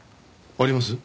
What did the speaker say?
あります？